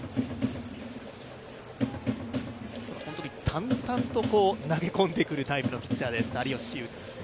淡々と投げ込んでくるタイプのピッチャーです、有吉。